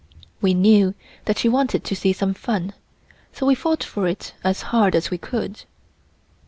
We knew that she wanted to see some fun, so we fought for it as hard as we could.